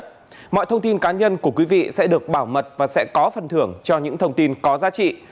mọi thông tin cá nhân của quý vị sẽ được bảo mật và sẽ có phần thưởng cho những thông tin có giá trị